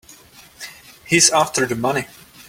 He's after the money.